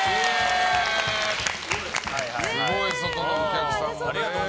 すごい、外のお客さんも。